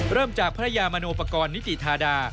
เริ่มจากพระยามโนปกรณ์นิติธาดา